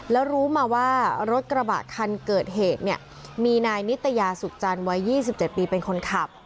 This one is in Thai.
แล้วรู้มาว่ารถกระบะคันเกิดเหตุเนี่ยมีนายนิตยาสุขจันทร์วัย๒๗ปีเป็นคนขับ